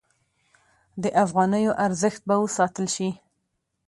د افغانیو ارزښت به وساتل شي؟